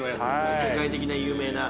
世界的に有名な。